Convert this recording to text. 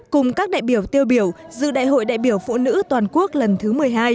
cùng các đại biểu tiêu biểu dự đại hội đại biểu phụ nữ toàn quốc lần thứ một mươi hai